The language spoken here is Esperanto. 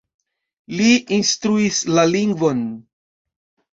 Li instruis la lingvon.